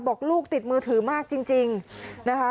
บอกลูกติดมือถือมากจริงนะคะ